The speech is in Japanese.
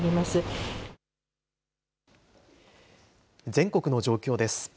全国の状況です。